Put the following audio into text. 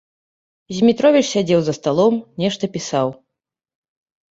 Змітровіч сядзеў за сталом, нешта пісаў.